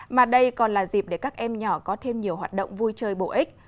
mà đây còn là dịp để các em nhỏ có thêm nhiều hoạt động vui chơi bổ ích